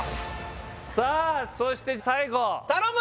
さあそして最後頼む！